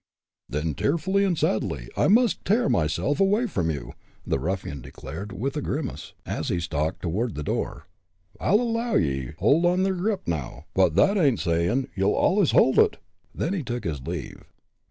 "Then, tearfully and sadly, I must tear myself away from you," the ruffian declared, with a grimace, as he stalked toward the door, "I'll allow ye hold ther grip now, but thet ain't sayin' ye'll allus hold it." Then he took his leave.